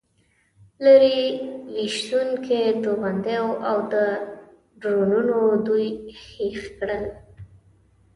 لرې ویشتونکو توغندیو او ډرونونو دوی هېښ کړل.